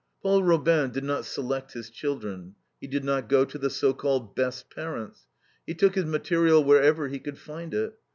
Paul Robin did not select his children; he did not go to the so called best parents: he took his material wherever he could find it.